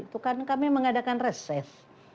itu kan kami mengadakan reses